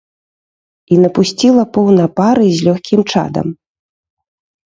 І напусціла поўна пары з лёгкім чадам.